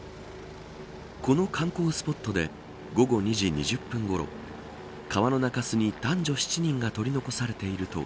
この観光スポットで午後２時２０分ごろ川の中州に男女７人が取り残されていると